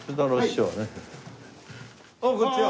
あっこんにちは。